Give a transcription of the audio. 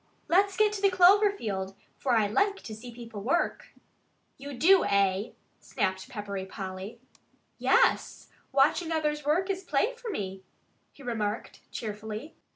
"Let's get to the clover field, for I like to see people work." "You do, eh?" snapped Peppery Polly. "Yes! Watching others work is play for me," he remarked cheerfully.